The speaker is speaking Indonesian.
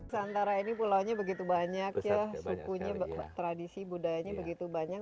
santara ini pulau nya begitu banyak sukunya tradisi budayanya begitu banyak